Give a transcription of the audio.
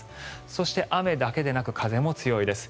そして、雨だけでなく風も強いです。